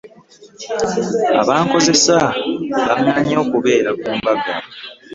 Abankozesa baŋŋaanyi okubeera ku mbaga.